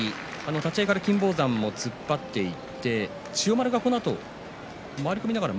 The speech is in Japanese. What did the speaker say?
立ち合いから金峰山突っ張っていって千代丸がこのあと回り込みながら